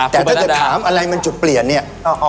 แต่ถ้าเกิดถามอะไรมันจุดเปลี่ยนเนี่ย